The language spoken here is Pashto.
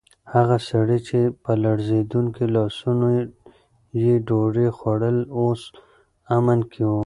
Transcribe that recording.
هغه سړی چې په لړزېدونکو لاسونو یې ډوډۍ خوړله، اوس په امن کې و.